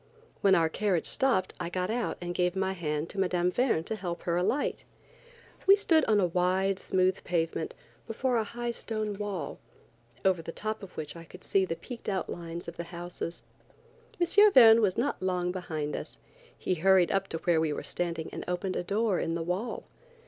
When our carriage stopped I got out and gave my hand to Mme. Verne to help her alight. We stood on a wide, smooth pavement, before a high stone wall, over the top of which I could see the peaked outlines of the house. M. Verne was not long behind us. He hurried up to where we were standing and opened a door in the wall.